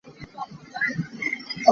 Mi orkhu a si.